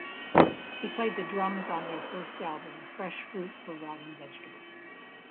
He played the drums on their first album, "Fresh Fruit for Rotting Vegetables".